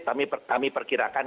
tapi kami perkirakan